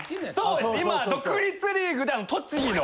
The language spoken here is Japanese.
そう今独立リーグで栃木の。